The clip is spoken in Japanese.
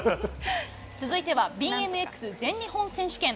続いてはＢＭＸ全日本選手権。